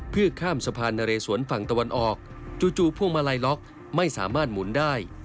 เพื่อข้ามสะพานนะเรสวนฝั่งตะวันออกจู่พวงมาลัยล็อกไม่สามารถหมุนได้